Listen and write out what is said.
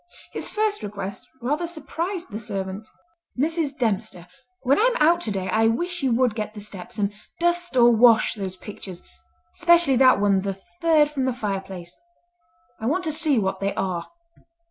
His first request rather surprised the servant. "Mrs. Dempster, when I am out to day I wish you would get the steps and dust or wash those pictures—specially that one the third from the fireplace—I want to see what they are."